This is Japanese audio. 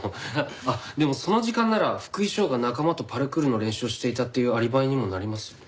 あっでもその時間なら福井翔が仲間とパルクールの練習をしていたっていうアリバイにもなりますよね？